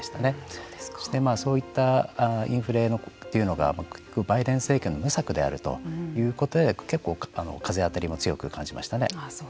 そしてそういったインフレというのがバイデン政権の無策であるということで結構風当たりも強く感じましたね。